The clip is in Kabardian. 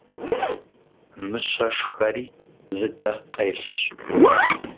Мыщэ шхэри зы дэ къелщ.